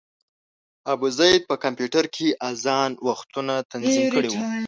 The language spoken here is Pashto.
ابوزید په کمپیوټر کې اذان وختونه تنظیم کړي وو.